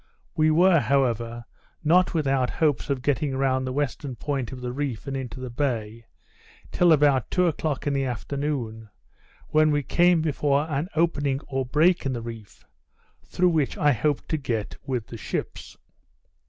We were, however, not without hopes of getting round the western point of the reef and into the bay, till about two o'clock in the afternoon, when we came before an opening or break in the reef, through which I hoped to get with the ships.